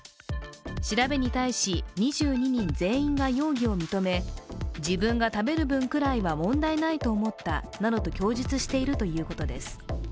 調べに対し２２人全員が容疑を認め、自分が食べる分くらいは問題ないと思ったなどと供述しているということです。